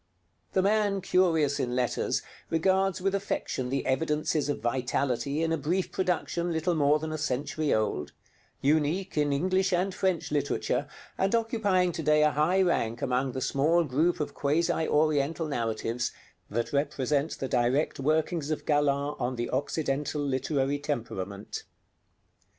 The man curious in letters regards with affection the evidences of vitality in a brief production little more than a century old; unique in English and French literature, and occupying to day a high rank among the small group of quasi Oriental narratives that represent the direct workings of Galland on the Occidental literary temperament.